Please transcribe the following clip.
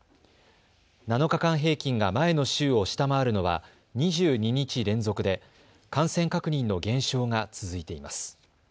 ７日間平均が前の週を下回るのは２２日連続で感染確認の減少が続いています。